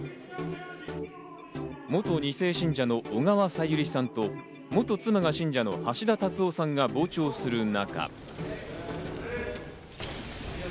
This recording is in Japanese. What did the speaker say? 元２世信者の小川さゆりさんと元妻が信者の橋田達夫さんが傍聴する中。